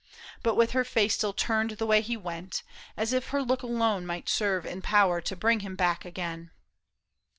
But with her face still turned the way he went. As if her look alone might serve in power To bring him back again.